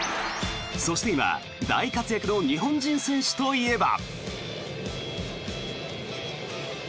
そして今、大活躍の日本人選手と言えば。